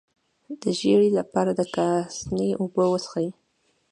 د ژیړي لپاره د کاسني اوبه وڅښئ